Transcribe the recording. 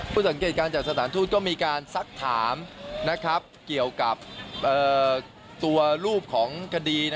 สังเกตการณจากสถานทูตก็มีการซักถามเกี่ยวกับตัวรูปของคดี